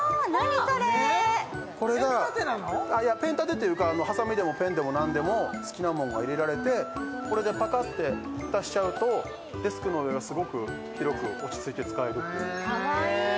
これがペン立てというか、ペンでもはさみでも何でも好きなものを立てて、これでパカッと蓋しちゃうと、デスクの上がすごく広く落ち着いて使えちゃう。